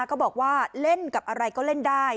ก็บอกว่าเล่นกับอะไรก็เล่นได้